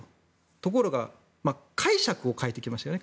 ところが解釈を変えてきましたよね